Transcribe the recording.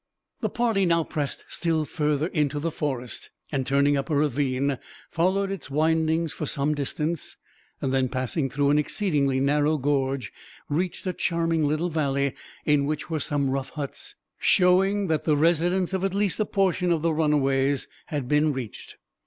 The party now pressed still further into the forest and, turning up a ravine, followed its windings for some distance; and then, passing through an exceedingly narrow gorge, reached a charming little valley; in which were some rough huts, showing that the residence of at least a portion of the runaways had been reached.